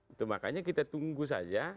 itu makanya kita tunggu saja